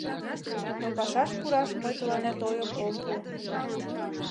— Но пашаш пураш мый тыланет ойым ом пу.